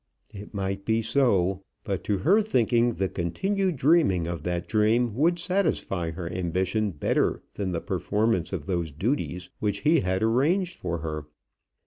It might be so, but to her thinking the continued dreaming of that dream would satisfy her ambition better than the performance of those duties which he had arranged for her.